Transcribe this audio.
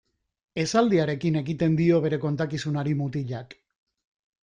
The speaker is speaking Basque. Esaldiarekin ekiten dio bere kontakizunari mutilak.